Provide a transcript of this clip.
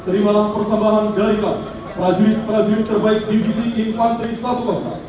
terimalah persambahan dari kami prajurit prajurit terbaik divisi infantri satu kota